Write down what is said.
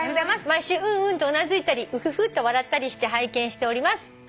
毎週うんうんとうなずいたりウフフと笑ったりして拝見しております」